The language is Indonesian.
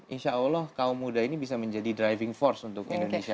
insya allah kaum muda ini bisa menjadi driving force untuk indonesia